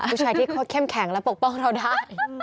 ผู้ชายที่เขาเข้มแข็งและปกป้องเราได้